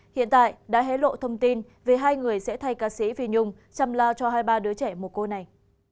hiện tại đã hế lộ thông tin về hai người sẽ thay ca sĩ phi nhung chăm lao cho hai ba đứa trẻ một cô này